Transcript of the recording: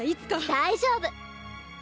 大丈夫！